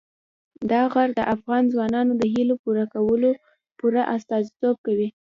دا غر د افغان ځوانانو د هیلو پوره استازیتوب کوي.